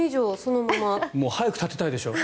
早く立てたいでしょ。